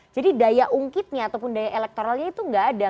jadi daya ungkitnya ataupun daya elektoralnya itu gak ada